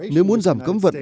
nếu muốn giảm cấm vật